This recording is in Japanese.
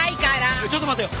ちょっと待てよ！